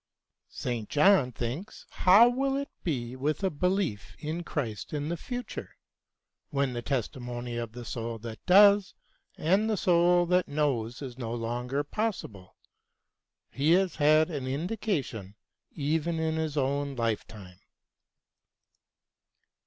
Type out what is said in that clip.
St. John thinks how will it be with a belief in Christ in the future, when the testimony of the soul that does and the soul that knows is no longer possible. He has had an indication even in his own lifetime.